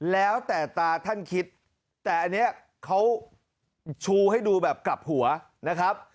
แล้วแต่ตาท่านคิดแต่อันนี้เขาชูให้ดูแบบกลับหัวนะครับ